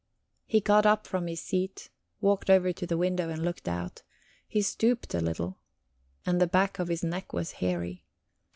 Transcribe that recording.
He got up from his seat, walked over to the window, and looked out; he stooped a little, and the back of his neck was hairy.